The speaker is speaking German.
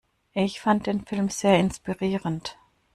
Ich fand den Film sehr inspirierend.